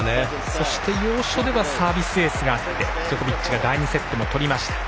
そして、要所ではサービスエースがあってジョコビッチが第２セットも取りました。